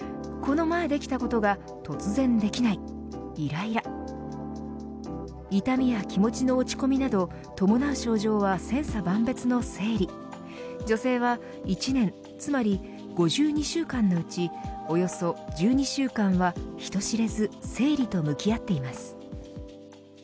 この前できたことが突然できない、いらいら痛みや気持ちの落ち込みなど伴う症状は千差万別の生理女性は１年つまり５２週間のうちおよそ１２週間は人知れず生理と向き合っています。